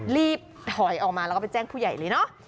รีบถอยออกมาแล้วก็ไปแจ้งผู้ใหญ่เลยเนอะ